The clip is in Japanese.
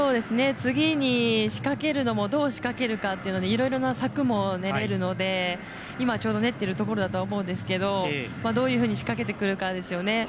次に仕掛けるのもどう仕掛けるかっていうのでいろいろな策も練られるので今、ちょうど練ってるところだとは思うんですけれどもどういうふうに仕掛けてくるかですよね。